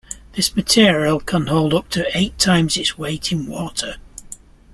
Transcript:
This material can hold up to eight times its weight in water.